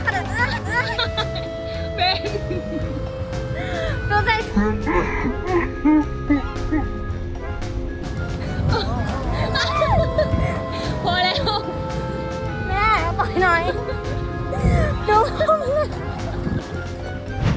เพราะให้ปุ๊บ